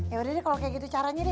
yaudah deh kalo kayak gitu caranya deh